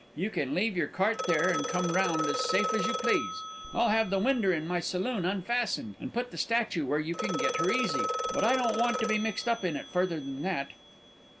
You can leave your cart here, and come round as safe as you please. I'll have the winder in my saloon unfastened, and put the statue where you can get her easy; but I don't want to be mixed up in it further than that."